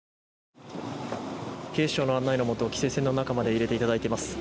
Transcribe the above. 警視庁の案内のもと規制線の中にまで入れていただいています。